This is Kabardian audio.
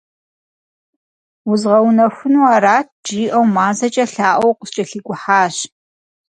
«Узгъэунэхуну арат» жиӏэу мазэкӏэ лъаӏуэу къыскӏэлъикӏухьащ.